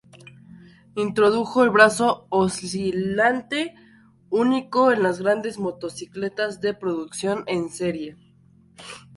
Introdujo el brazo oscilante, único en las grandes motocicletas de producción en serie.